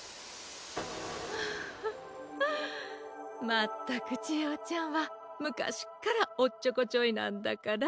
まったくちえおちゃんはむかしっからおっちょこちょいなんだから。